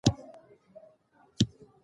پخوانۍ کلاګانې ډېرې کوچنۍ او تنګې خونې لرلې.